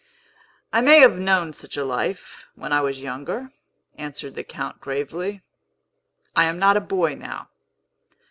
"I may have known such a life, when I was younger," answered the Count gravely. "I am not a boy now.